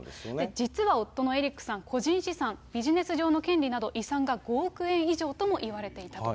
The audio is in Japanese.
実は夫のエリックさん、個人資産、ビジネス上の権利など、遺産が５億円以上ともいわれていたと。